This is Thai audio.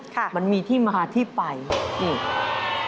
ค่ะมันมีที่มาที่ไปนี่